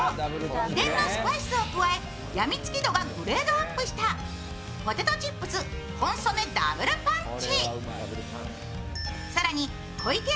秘伝のスパイスを加えやみつき度がグレードアップしたポテトチップスコンソメＷパンチ。